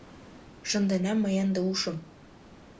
— Шынденам мый ынде ушым